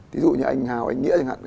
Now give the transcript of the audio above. ví dụ như anh hào anh nghĩa chẳng hạn